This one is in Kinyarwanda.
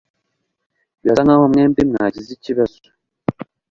Birasa nkaho mwembi mwagize ikibazo.